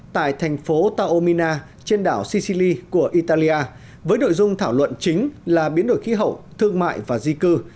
tại thành phố taomina trên đảo sicili của italia với nội dung thảo luận chính là biến đổi khí hậu thương mại và di cư